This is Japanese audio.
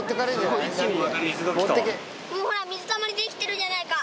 ほら水たまりできてるじゃないか。